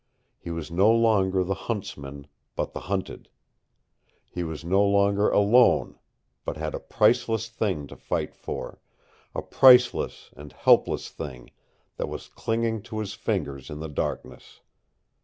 He was no longer the huntsman, but the hunted. He was no longer alone, but had a priceless thing to fight for, a priceless and helpless thing that was clinging to his fingers in the darkness.